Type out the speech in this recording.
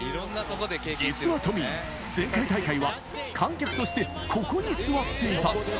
実はＴＯＭＭＹ、前回大会は観客としてここに座っていた。